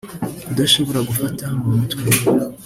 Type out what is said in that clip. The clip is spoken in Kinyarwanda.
kudashobora gufata mu mutwe